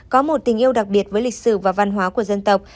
có một tình yêu đặc biệt với lịch sử và văn hóa của dân tộc